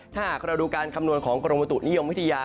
ถ้าหากเราดูการคำนวณของกรมบุตุนิยมวิทยา